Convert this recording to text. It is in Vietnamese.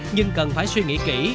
nhưng cần phải suy nghĩ kỹ